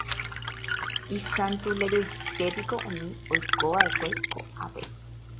Isantularioitépiko umi oikova'ekue ko'ápe.